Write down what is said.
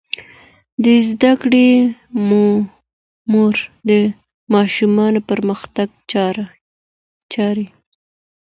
د زده کړې مور د ماشومانو پرمختګ څاري.